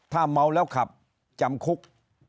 ถ้าเมาแล้วขับจำคุก